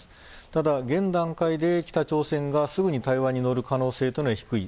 ただ、現段階で北朝鮮がすぐに対話に乗る可能性は低い。